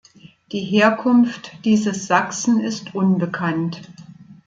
Die Herkunft dieses Sachsen ist unbekannt.